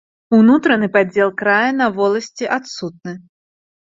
Унутраны падзел края на воласці адсутны.